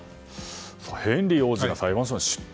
ヘンリー王子が裁判所に出廷。